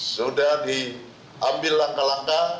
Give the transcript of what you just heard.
sudah diambil langkah langkah